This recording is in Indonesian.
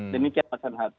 demikian mas renhat